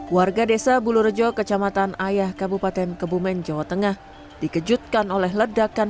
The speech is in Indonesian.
warga desa bulurejo kecamatan ayah kabupaten kebumen jawa tengah dikejutkan oleh ledakan